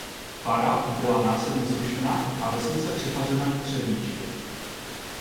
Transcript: Fara byla následně zrušena a vesnice přifařena k Třebíči.